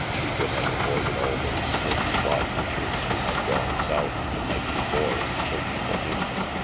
She would have avoided all those Snaky Y punchers who had gone south the night before in search for him.